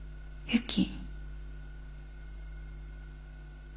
ユキ。